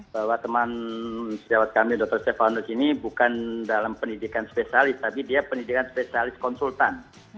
bahwa teman sejawat kami dr stefanus ini bukan dalam pendidikan spesialis tapi dia pendidikan spesialis konsultan